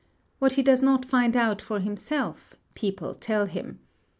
What he does not find out for himself, people tell him.